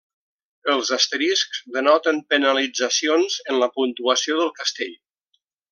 Els asteriscs denoten penalitzacions en la puntuació del castell.